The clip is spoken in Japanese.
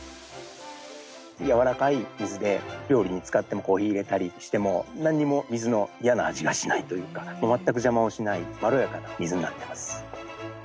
軟らかい水で料理に使ってもコーヒー淹れたりしても何も水の嫌な味がしないというか全く邪魔をしないまろやかな水になってます。